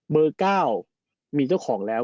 เบอร์๙มีเจ้าของแล้ว